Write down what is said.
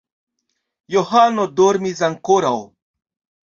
Johano dormis ankoraŭ.